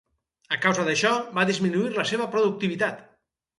A causa d'això, va disminuir la seva productivitat.